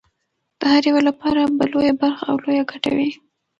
د هر یوه لپاره به لویه برخه او لویه ګټه وي.